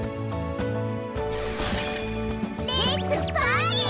レッツパーティー！